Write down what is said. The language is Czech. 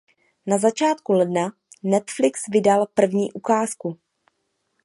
Na začátku ledna Netflix vydal první ukázku.